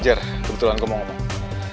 jer kebetulan kau mau ngomong